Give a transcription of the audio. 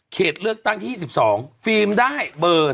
เขตเลือกตั้งที่๒๒ฟิล์มได้เบอร์๒